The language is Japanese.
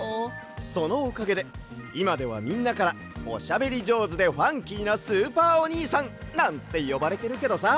そのおかげでいまではみんなからおしゃべりじょうずでファンキーなスーパーおにいさんなんてよばれてるけどさ。